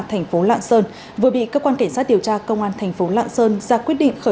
thành phố lạng sơn vừa bị cơ quan cảnh sát điều tra công an thành phố lạng sơn ra quyết định